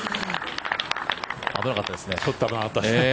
危なかったですね。